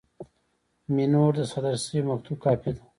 مینوټ د صادر شوي مکتوب کاپي ده.